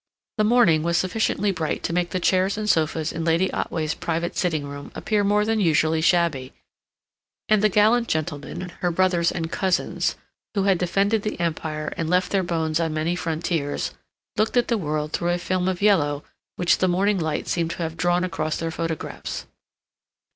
The morning was sufficiently bright to make the chairs and sofas in Lady Otway's private sitting room appear more than usually shabby, and the gallant gentlemen, her brothers and cousins, who had defended the Empire and left their bones on many frontiers, looked at the world through a film of yellow which the morning light seemed to have drawn across their photographs.